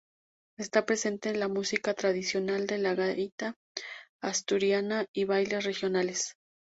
Esta presente la música tradicional de la gaita asturiana y bailes regionales.